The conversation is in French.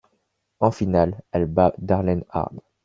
En finale, elle bat Darlene Hard.